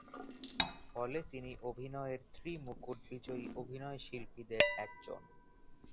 ফলে তিনি অভিনয়ের ত্রি-মুকুট বিজয়ী অভিনয়শিল্পীদের একজন।